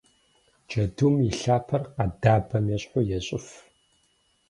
Джэдум и лъапэр къэдабэм ещхьу ещӏыф.